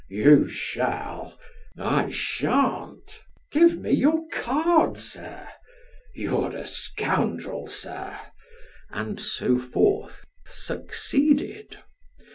" You shall !"" I shan't !"" Give me your card, sir ?"" You're a scoundrel, sir !" and so forth, succeeded.